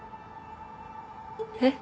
えっ？